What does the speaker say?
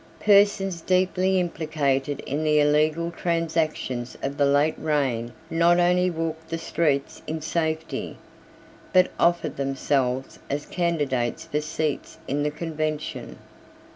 Persons deeply implicated in the illegal transactions of the late reign not only walked the streets in safety, but offered themselves as candidates for seats in the Convention.